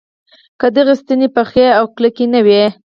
که دغه ستنې پخې او کلکې نه وي.